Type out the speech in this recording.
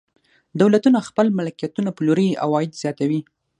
دولتونه خپل ملکیتونه پلوري او عواید زیاتوي.